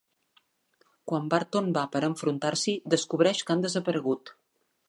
Quan Burton va per enfrontar-s'hi, descobreix que han desaparegut.